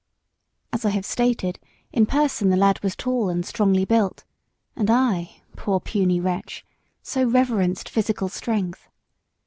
As I have stated, in person the lad was tall and strongly built; and I, poor puny wretch! so reverenced physical strength.